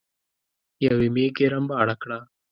يوې ميږې رمباړه کړه.